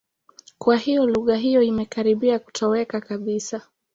Kwa hiyo lugha hiyo imekaribia kutoweka kabisa.